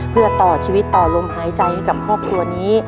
เพื่อต่อชีวิตต่อลมหายใจให้กับครอบครัวนี้